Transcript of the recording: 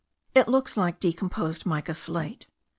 It looks like decomposed mica slate.